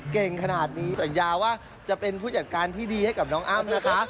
เก่งขนาดนี้สัญญาว่าจะเป็นผู้จัดการที่ดีให้กับน้องอ้ำนะคะ